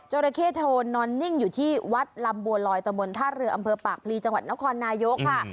ราเข้โทนนอนนิ่งอยู่ที่วัดลำบัวลอยตะบนท่าเรืออำเภอปากพลีจังหวัดนครนายกค่ะ